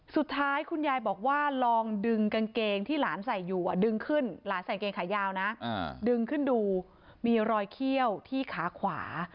สุดท้ายคุณยายบอกว่าลองดึงกางเกงที่หลานใส่อยู่ดึงขึ้นหลานใส่เกงขายาวนะดึงขึ้นดูมีรอยเขี้ยวที่ขาขวา